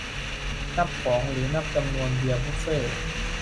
นับของ หรือนับจำนวนเบียร์บุฟเฟต์